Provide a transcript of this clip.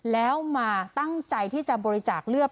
แล้วมาตั้งใจที่จะบริจาคเลือด